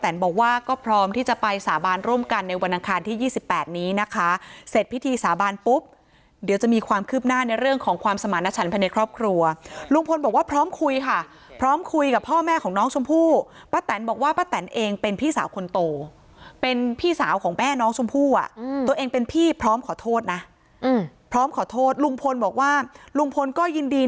แต่นบอกว่าก็พร้อมที่จะไปสาบานร่วมกันในวันอังคารที่๒๘นี้นะคะเสร็จพิธีสาบานปุ๊บเดี๋ยวจะมีความคืบหน้าในเรื่องของความสมารณชันภายในครอบครัวลุงพลบอกว่าพร้อมคุยค่ะพร้อมคุยกับพ่อแม่ของน้องชมพู่ป้าแตนบอกว่าป้าแตนเองเป็นพี่สาวคนโตเป็นพี่สาวของแม่น้องชมพู่อ่ะตัวเองเป็นพี่พร้อมขอโทษนะพร้อมขอโทษลุงพลบอกว่าลุงพลก็ยินดี